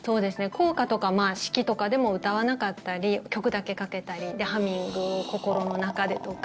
校歌とか式とかでも歌わなかったり曲だけかけたりで、ハミングを、心の中でとか。